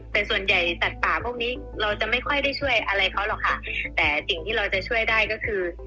แต่ส่วนใหญ่สัตว์ป่าพวกนี้เราจะไม่ค่อยได้ช่วยอะไรเขาหรอกค่ะแต่สิ่งที่เราจะช่วยได้ก็คือ